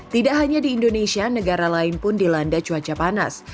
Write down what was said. tidak hanya di indonesia negara lain pun dilanda cuaca panas